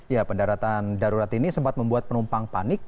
ya pendaratan darurat ini sempat membuat penumpang panik